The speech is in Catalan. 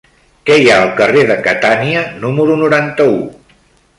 Què hi ha al carrer de Catània número noranta-u?